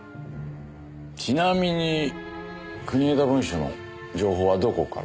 ちなみに国枝文書の情報はどこから？